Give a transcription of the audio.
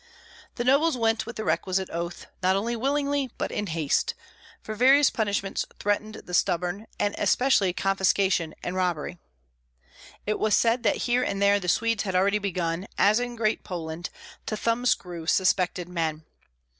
The nobles went with the requisite oath, not only willingly, but in haste; for various punishments threatened the stubborn, and especially confiscation and robbery. It was said that here and there the Swedes had already begun, as in Great Poland, to thumb screw suspected men.